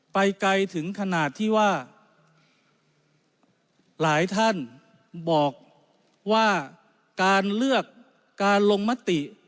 ไปไกลถึงขนาดที่ว่าหลายท่านบอกว่าการเลือกการลงมติ